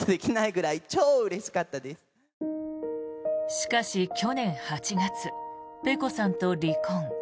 しかし去年８月ｐｅｃｏさんと離婚。